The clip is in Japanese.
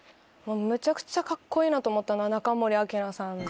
めちゃくちゃカッコいいなと思ったのは中森明菜さんで。